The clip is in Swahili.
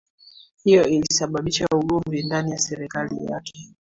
hiyo ilisababisha ugomvi ndani ya serikali yake